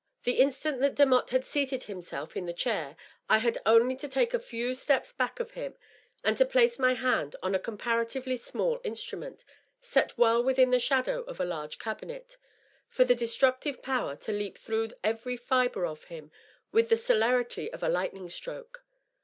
The inst^t that Demotte seated himself in the chair I had only to take a few steps back of him and to place my hand on a comparatively small instrument, set well within the shadow of a large cabinet, for the destructive power to leap through every fibre of him with the celerity of a lightning stroke.